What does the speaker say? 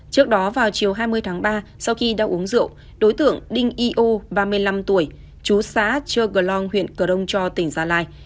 trước đó vào chiều hai mươi tháng ba sau khi đã uống rượu đối tượng đinh y ô ba mươi năm tuổi chú xã chơ cờ long huyện cờ rong cho tỉnh gia lai